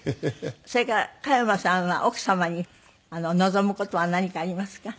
それから加山さんは奥様に望む事は何かありますか？